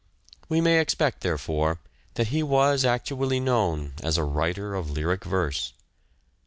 We may expect, therefore, that he was actually known as a writer of lyric verse.